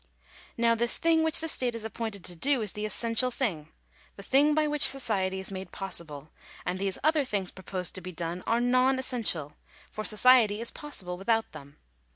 Now this thing which the state is appointed to do is the essential thing — the thing by which society is made possible; and these other things proposed to be done are non essential, for society is possible without them.